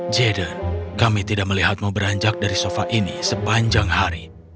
jaden kami tidak melihatmu beranjak dari sofa ini sepanjang hari